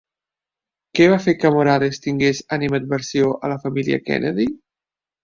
Què va fer que Morales tingués animadversió a la família Kennedy?